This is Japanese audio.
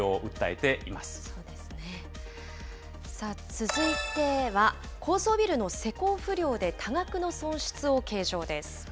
続いては、高層ビルの施工不良で多額の損失を計上です。